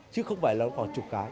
chứ không phải là còn chục cái